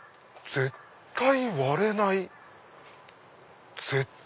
絶対割れない？